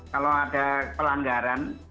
kalau ada pelanggaran